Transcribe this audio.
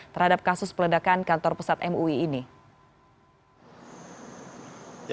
terhadap kasus peledakan kantor pusat mui ini